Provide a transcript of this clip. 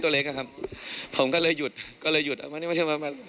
ตัวเล็กครับผมก็เลยหยุดก็เลยหยุดมานี่มานี่มานี่มานี่